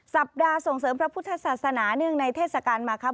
สัปดาห์ส่งเสริมพระพุทธศาสนาเนื่องในเทศกาลมาครับ